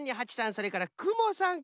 それからくもさんか。